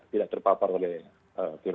tidak terpapar oleh virus